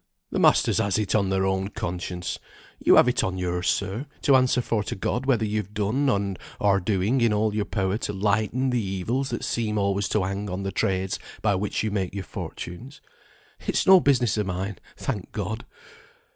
The masters has it on their own conscience, you have it on yours, sir, to answer for to God whether you've done, and are doing all in your power to lighten the evils that seem always to hang on the trades by which you make your fortunes. It's no business of mine, thank God.